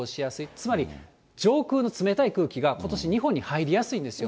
つまり上空の冷たい空気が、ことし日本に入りやすいんですよ。